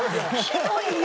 ひどいよ！